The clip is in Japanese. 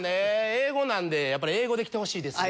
英語なんでやっぱり英語できてほしいですね。